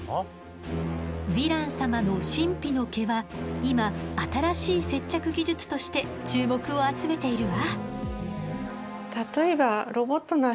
ヴィラン様の神秘の毛は今新しい接着技術として注目を集めているわ。